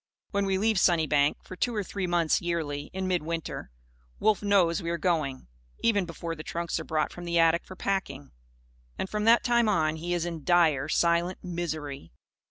When we leave Sunnybank, for two or three months, yearly, in midwinter, Wolf knows we are going; even before the trunks are brought from the attic for packing. And, from that time on, he is in dire, silent misery.